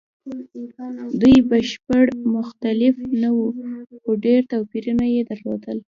دوی بشپړ مختلف نه وو؛ خو ډېر توپیرونه یې درلودل.